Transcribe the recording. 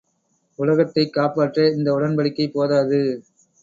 உலகத்தைக் காப்பாற்ற இந்த உடன் படிக்கை போதாது.